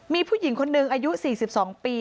มีผู้หญิงคนหนึ่งอายุ๔๒ปี